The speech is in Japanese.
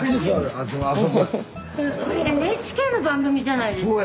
これＮＨＫの番組じゃないですか？